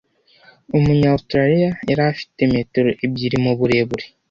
umunyaustraliya yari afite metero ebyiri muburemere